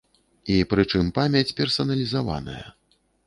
І прычым памяць персаналізаваная.